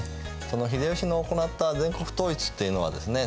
その秀吉の行った全国統一っていうのはですね